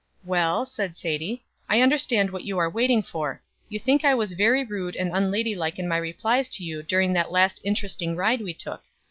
"Well," said Sadie, "I understand what you are waiting for. You think I was very rude and unladylike in my replies to you during that last interesting ride we took.